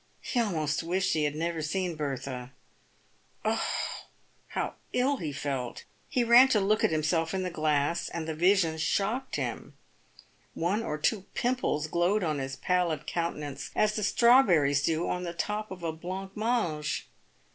He almost wished he had never seen Bertha. Oh ! how ill he felt. He ran to look at himself in the glass, and the vision shocked him. One or two pimples glowed on his pallid countenance as the strawberries do on the top of a blanc mange.